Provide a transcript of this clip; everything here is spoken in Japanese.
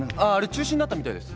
中止になったみたいです。